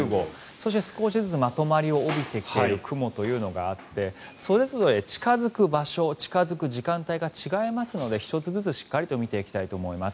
そして少しずつまとまりを帯びてきている雲というのがあってそれぞれ近付く場所近付く時間帯が違いますので１つずつしっかりと見ていきたいと思います。